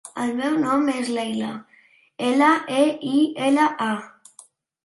El meu nom és Leila: ela, e, i, ela, a.